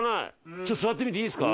ちょっと座ってみていいですか？